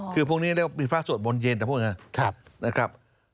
คือพรุ่งนี้เรียกว่ามีพระสวดบนเย็นแต่พวกนี้นะครับ